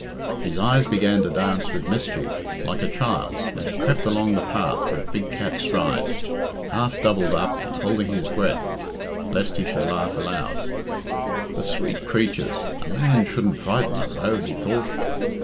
His eyes began to dance with mischief, like a child's, and he crept along the path with big cat strides, half doubled up, and holding his breath, lest he should laugh aloud. "The sweet creatures! A man shouldn't frighten them, though," he thought.